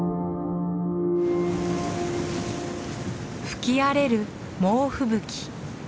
吹き荒れる猛吹雪。